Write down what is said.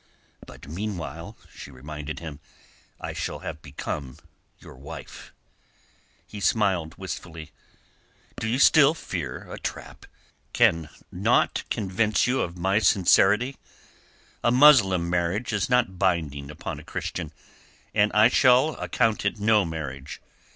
"But meanwhile," she reminded him, "I shall have become your wife." He smiled wistfully. "Do you still fear a trap? Can naught convince you of my sincerity? A Muslim marriage is not binding upon a Christian, and I shall account it no marriage.